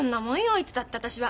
いつだって私は。